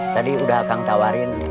tadi udah akang tawarin